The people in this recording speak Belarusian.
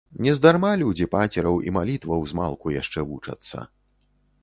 Нездарма людзі пацераў і малітваў змалку яшчэ вучацца.